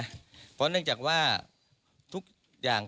เพราะเนื่องจากว่าทุกอย่าง